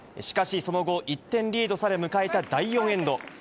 しかしその後、１点リードされ、迎えた第４エンド。